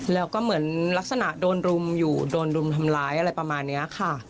แล้วก็เหมือนลักษณะโดนรุมอยู่โดนรุมทำร้ายอะไรประมาณนี้ค่ะ